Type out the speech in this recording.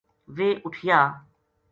ویہ اُٹھیا